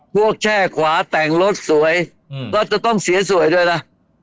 แช่ขวาแต่งรถสวยก็จะต้องเสียสวยด้วยนะ